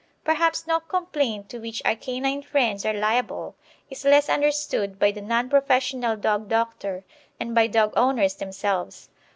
Perhaps no complaint to which our canine friends are liable is less understood by the non professional dog doctor and by dog owners themselves.